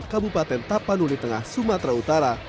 kabupaten tapanuli tengah sumatera utara